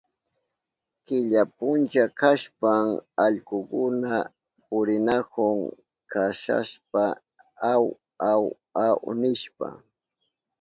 Killa puncha kashpan allkukuna purinahun kasashpa aw, aw, aw nishpa.